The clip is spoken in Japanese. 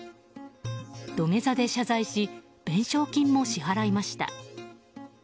土下座で謝罪し弁償金も支払いました。